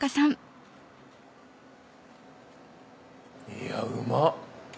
いやうまっ！